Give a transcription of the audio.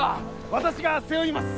「私が背負います！」。